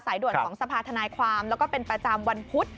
ด่วนของสภาธนายความแล้วก็เป็นประจำวันพุธ